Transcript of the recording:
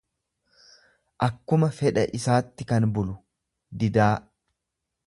akkuma fedha isaatti kan bulu, didaa.